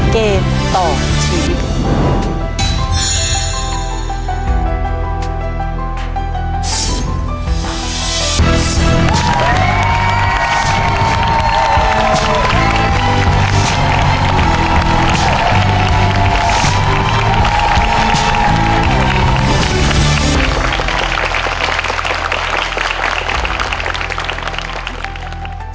เกมต่อไป